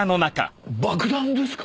爆弾ですか！？